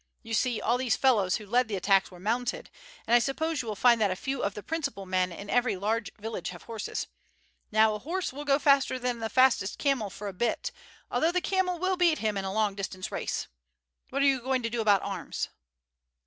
You see, all these fellows who led the attacks were mounted, and I suppose you will find that a few of the principal men in every large village have horses. Now a horse will go faster than the fastest camel for a bit, although the camel will beat him in a long distance race. What are you going to do about arms?"